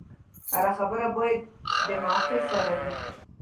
هره خبره باید د موقع سره وي.